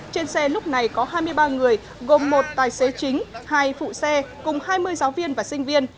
trên xe lúc này có hai mươi ba người gồm một tài xế chính hai phụ xe cùng hai mươi giáo viên và sinh viên